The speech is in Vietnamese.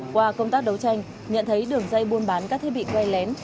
qua công tác đấu tranh nhận thấy đường dây buôn bán các thiết bị quay lén